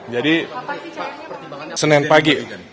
jadi senin pagi